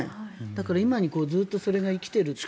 だから今にずっとそれが生きてるって。